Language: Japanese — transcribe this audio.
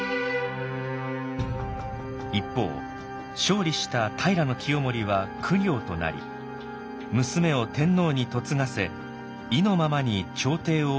一方勝利した平清盛は公卿となり娘を天皇に嫁がせ意のままに朝廷を動かすようになります。